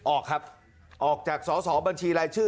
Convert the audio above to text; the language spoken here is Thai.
ออกครับออกจากสอสอบัญชีรายชื่อ